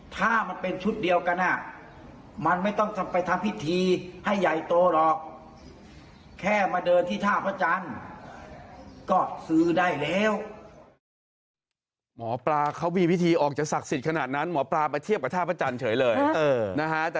ถ้ามันเป็นชุดเดียวกันนะมันไม่ต้องไปทำพิธีให้ใหญ่โตหรอก